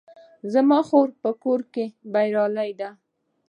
زما خور په خپل کار کې بریالۍ ده